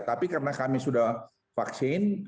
tapi karena kami sudah vaksin